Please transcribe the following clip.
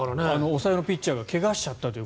抑えのピッチャーが怪我をしちゃったという。